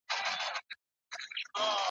هسي نه چي مي د پښو له لاسه مات سم ,